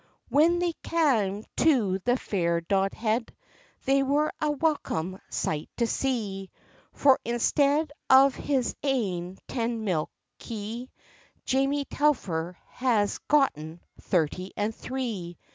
When they cam to the fair Dodhead, They were a wellcum sight to see! For instead of his ain ten milk kye, Jamie Telfer has gotten thirty and three.